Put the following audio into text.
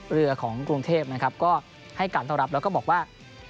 เรือของกรุงเทพนะครับก็ให้การต้อนรับแล้วก็บอกว่า